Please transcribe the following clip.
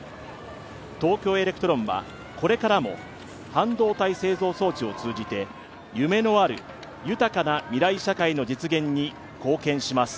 東京エレクトロンはこれからも半導体製造装置を通じて夢のある豊かな未来社会の実現に貢献します。